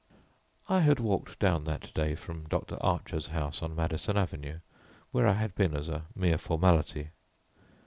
I had walked down that day from Dr. Archer's house on Madison Avenue, where I had been as a mere formality.